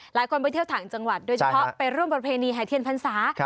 หลายคนไปเที่ยวถังจังหวัดโดยเฉพาะไปร่วมประเภณีหาเทียนภรรษา